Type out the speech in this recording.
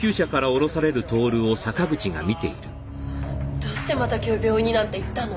どうしてまた今日病院になんて行ったの？